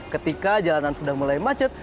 ketika jalanan sudah mulai macet